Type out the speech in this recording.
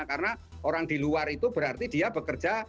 karena orang di luar itu berarti dia bekerja